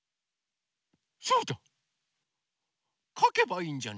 そうだ。